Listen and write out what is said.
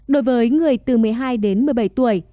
đối với người từ một mươi hai đến một mươi bảy tuổi